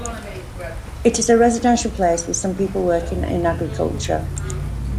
It is a residential place with some people working in agriculture.